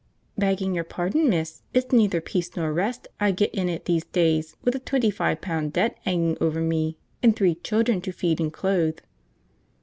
"Begging your pardon, miss, it's neither peace nor rest I gets in it these days, with a twenty five pound debt 'anging over me, and three children to feed and clothe."